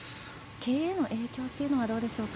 経営への影響というのはどうでしょうか。